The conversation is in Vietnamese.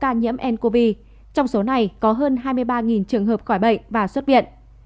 ca nhiễm ncov trong số này có hơn hai mươi ba trường hợp khỏi bệnh và xuất viện